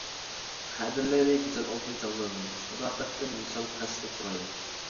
قەدىرلەيلى گۈزەل ئالتۇن چاغلارنى، ساداقەتتىن ۋىسال قەسرى قۇرايلى.